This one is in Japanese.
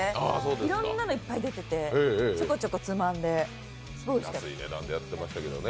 いろんなのいっぱい出てて、ちょこちょこつまんで、すごいおいしかった。